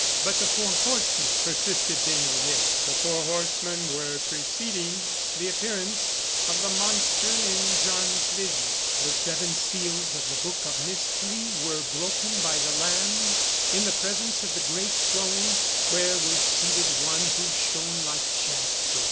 "But the four horsemen?" persisted Desnoyers. The four horsemen were preceding the appearance of the monster in John's vision. The seven seals of the book of mystery were broken by the Lamb in the presence of the great throne where was seated one who shone like jasper.